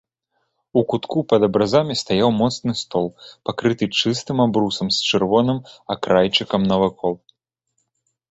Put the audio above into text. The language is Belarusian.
У кутку пад абразамі стаяў моцны стол, пакрыты чыстым абрусам з чырвоным акрайчыкам навакол.